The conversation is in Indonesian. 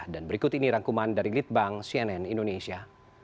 dan berikut ini rangkuman dari litbang cnn indonesia